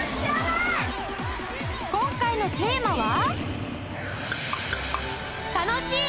今回のテーマは